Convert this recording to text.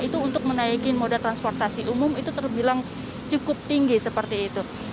itu untuk menaiki moda transportasi umum itu terbilang cukup tinggi seperti itu